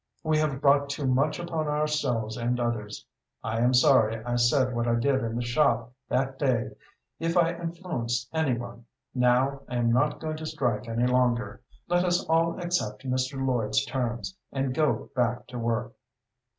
We have brought too much upon ourselves and others. I am sorry I said what I did in the shop that day, if I influenced any one. Now I am not going to strike any longer. Let us all accept Mr. Lloyd's terms, and go back to work."